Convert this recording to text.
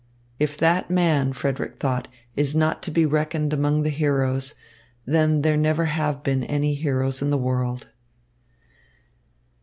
"If that man," Frederick thought, "is not to be reckoned among the heroes, then there never have been any heroes in the world."